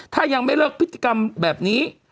ถ้ายังไม่เลิกพฤติกรรมแบบนี้